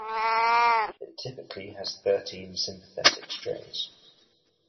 It typically has thirteen sympathetic strings.